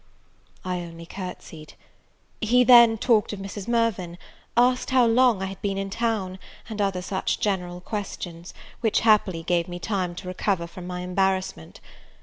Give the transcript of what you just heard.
I only courtsied. He then talked of Mrs. Mirvan, asked how long I had been in town, and other such general questions, which happily gave me time to recover from my embarrassment.